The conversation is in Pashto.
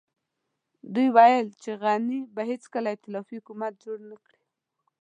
دوی ويل چې غني به هېڅکله ائتلافي حکومت جوړ نه کړي.